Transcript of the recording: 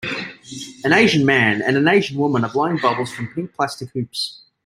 an Asian man and an Asian woman are blowing bubbles from pink plastic hoops.